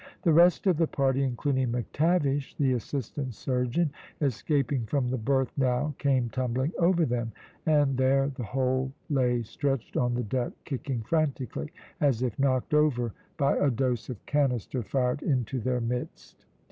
The rest of the party, including McTavish, the assistant surgeon, escaping from the berth now came tumbling over them, and there the whole lay stretched on the deck, kicking frantically, as if knocked over by a dose of canister fired into their midst.